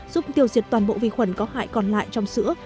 giúp tiêu diệt toàn bộ vi khuẩn có hại còn lại trong sữa